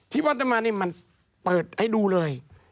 ที่ป่อนด์ธมมานี่มันเปิดให้ดูเลย